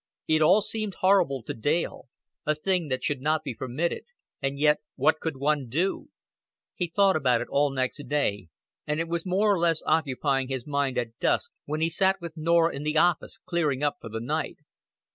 It all seemed horrible to Dale a thing that should not be permitted; and yet what could one do? He thought about it all next day, and it was more or less occupying his mind at dusk when he sat with Norah in the office clearing up for the night.